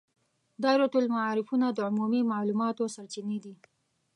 دایرة المعارفونه د عمومي معلوماتو سرچینې دي.